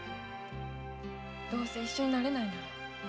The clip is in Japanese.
どうせ一緒になれないんだ。